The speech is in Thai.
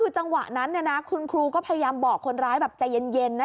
อืมอืมอืมอืมอืม